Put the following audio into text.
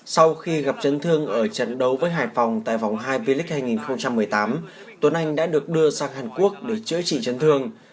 sau khi gặp chấn thương ở trận đấu với hải phòng tại vòng hai v league hai nghìn một mươi tám tuấn anh đã được đưa sang hàn quốc để chữa trị chấn thương